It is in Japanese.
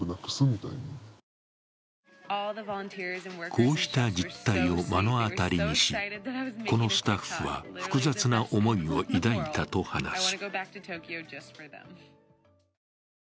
こうした実態を目の当たりにし、このスタッフは複雑な思いを抱いたと話す。